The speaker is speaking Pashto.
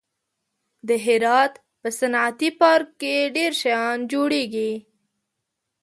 د هرات په صنعتي پارک کې ډېر شیان جوړېږي.